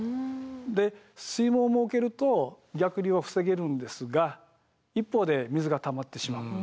で水門を設けると逆流を防げるんですが一方で水がたまってしまう。